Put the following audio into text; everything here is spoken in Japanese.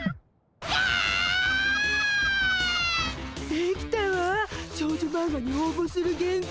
出来たわ少女マンガに応募する原稿。